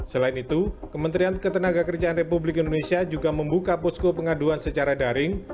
selain itu kementerian ketenagakerjaan republik indonesia juga membuka pusko pengaduan secara daring